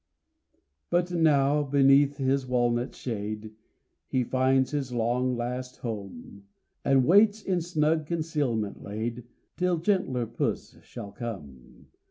But now beneath his walnut shade He finds his long last home, And waits, in snug concealment laid, Till gentler Puss shall come.